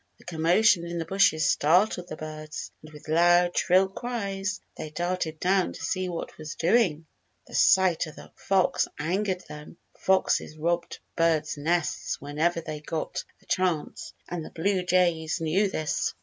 The commotion in the bushes startled the birds, and with loud, shrill cries they darted down to see what was doing. The sight of the fox angered them. Foxes robbed birds' nests whenever they got a chance, and the blue jays knew this.